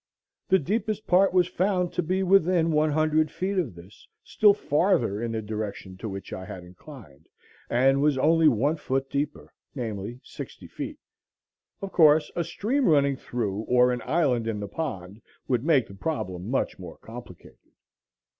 The deepest part was found to be within one hundred feet of this, still farther in the direction to which I had inclined, and was only one foot deeper, namely, sixty feet. Of course, a stream running through, or an island in the pond, would make the problem much more complicated.